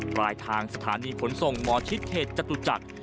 ปลายทางสถานีขนส่งหมอชิดเขตจตุจักร